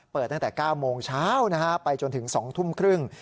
ตั้งแต่๙โมงเช้าไปจนถึง๒ทุ่มครึ่ง